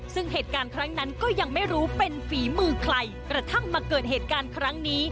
ซึ่งเหตุการณ์ครั้งนั้นก็ยังไม่รู้เป็นฝีมือใครกระทั่งมาเกิดเหตุการณ์ครั้งนี้